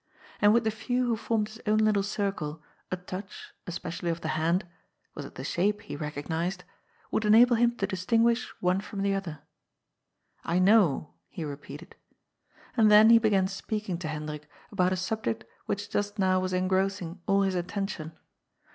And with the few who formed his own little circle a touch, especially of the hand — ^was it the shape he recognized ?— would enable him to distinguish one from the other. ^ I know," he repeated. And then he began speaking to Hendrik about a subject which just now was engrossing all his attention.